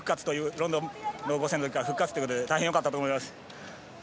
ロンドンの５０００のときから復活ということで大変よかったと思います。